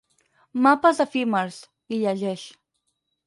"Mapes Efímers", hi llegeix.